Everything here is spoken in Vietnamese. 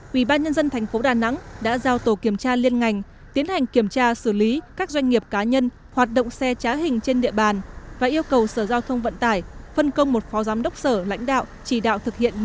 ubnd tp đà nẵng đã giao tổ kiểm tra liên ngành tiến hành kiểm tra xử lý các doanh nghiệp cá nhân hoạt động xe trá hình trên địa bàn và yêu cầu sở giao thông vận tải phân công một phó giám đốc sở lãnh đạo chỉ đạo thực hiện